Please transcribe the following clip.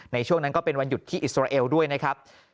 ในช่วงนั้นก็เป็นวันหยุดที่อิสราเอลด้วยนะครับ